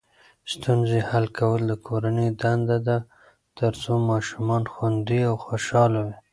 ستونزې حل کول د کورنۍ دنده ده ترڅو ماشومان خوندي او خوشحاله وي.